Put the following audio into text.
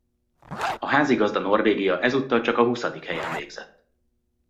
A házigazda Norvégia ezúttal csak a huszadik helyen végzett.